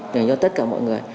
để cho tất cả mọi người